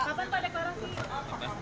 kapan pak deklarasi